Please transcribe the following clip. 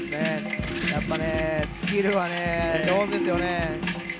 やっぱりスキルは上手ですよね。